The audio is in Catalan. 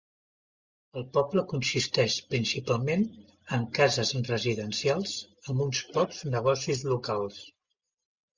El poble consisteix principalment en cases residencials, amb uns pocs negocis locals.